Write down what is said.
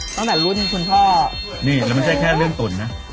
ตั้งแต่รุ่นคุณพ่อนี่แล้วไม่ใช่แค่เรื่องตุ๋นนะ